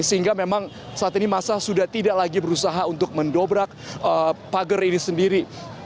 sehingga memang saat ini masa sudah tidak lagi berusaha untuk mendobrak pagar ini sendiri